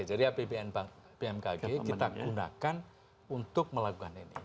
jadi apbn bank bmkg kita gunakan untuk melakukan ini